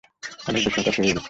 অনেক বেশি হতাশ হয়ে গেছি।